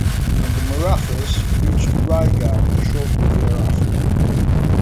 And the Marathas reached Raigad shortly thereafter.